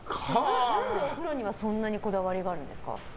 何で、お風呂にはそんなにこだわりがあるんですか？